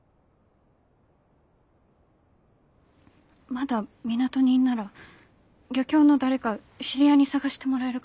まだ港にいんなら漁協の誰か知り合いに捜してもらえるかも。